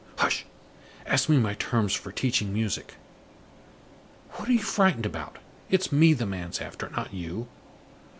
Hush! Ask me my terms for teaching music. What are you frightened about? It's me the man's after not you.